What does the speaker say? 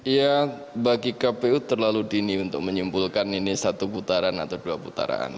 ya bagi kpu terlalu dini untuk menyimpulkan ini satu putaran atau dua putaran